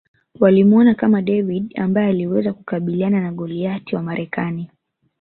Walimuona kama David ambaye aliweza kukabiliana na Goliath wa Marekani